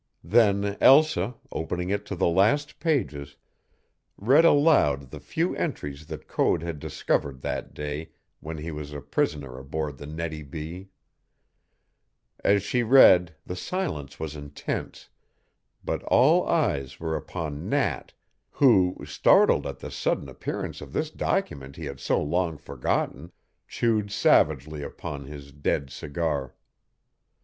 Then Elsa, opening it to the last pages, read aloud the few entries that Code had discovered that day when he was a prisoner aboard the Nettie B. As she read the silence was intense, but all eyes were upon Nat, who, startled at the sudden appearance of this document he had so long forgotten, chewed savagely upon his dead cigar.